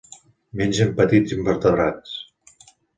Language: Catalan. Mengen petits invertebrats.